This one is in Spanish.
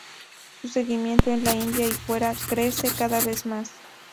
Su seguimiento en la India y fuera crece cada vez más.